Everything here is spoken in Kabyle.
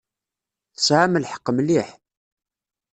Tesɛam lḥeqq mliḥ.